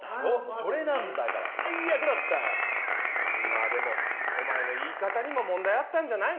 それなんだから、まあ、でも、お前の言い方にも問題あったんじゃないの？